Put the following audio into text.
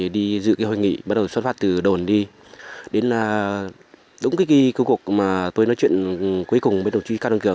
đi dự hội nghị bắt đầu xuất phát từ đồn đi đến đúng cái cuộc mà tôi nói chuyện cuối cùng với đồng chí cao đăng cường